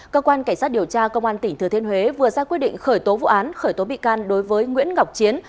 cơ quan cảnh sát điều tra công an tỉnh thừa thiên huế vừa ra quyết định khởi tố vụ án khởi tố bị can đối với nguyễn ngọc chiến